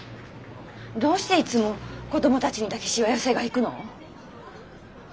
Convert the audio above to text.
どうしていつも子供たちにだけしわ寄せが行くの？